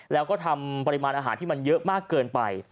แล้วก็ทำปริมาณอาหารที่มันเยอะมากเกินไป